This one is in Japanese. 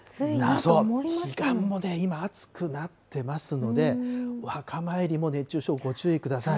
彼岸も今、暑くなってますので、お墓参りも熱中症、ご注意ください。